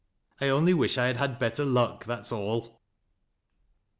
" I only wish I had had better luck, that's all."